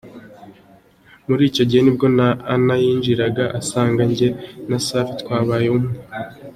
Muri icyo gihe nibwo na Anna yinjiraga asanga jye na Sifa twabaye umwe.